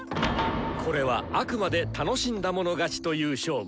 これはあくまで楽しんだもの勝ちという勝負。